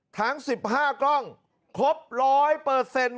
ทาง๑๕กล้องครบ๑๐๐เปอร์เซ็นต์